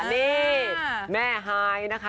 นี่แม่ฮายนะคะ